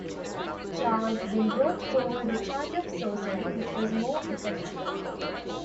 Charles then brought forward a charge of sorcery which was more effectual.